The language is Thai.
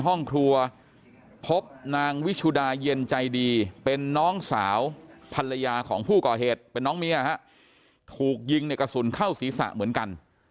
ห้องครัวพบนางวิชุดาเย็นใจดีเป็นน้องสาวภรรยาของผู้ก่อเหตุเป็นน้องเมียฮะถูกยิงในกระสุนเข้าศีรษะเหมือนกัน